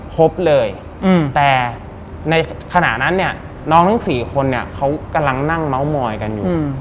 ครบเลยแต่ในขณะนั้นน้องทั้ง๔คนเขากำลังนั่งเม้ามอยกันอยู่